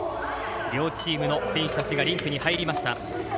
両チームの選手たちがリンクに入りました。